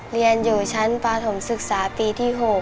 เรียนอยู่ชั้นปฐมศึกษาปีที่๖